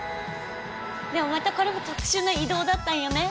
でもまたこれも特殊な移動だったんよね。